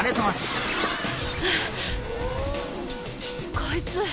こいつ！